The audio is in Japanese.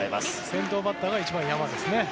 先頭バッターが一番山ですね。